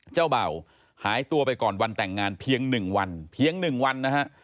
เจ้าเบาหายตัวไปก่อนวันแต่งงานเพียงหนึ่งวัน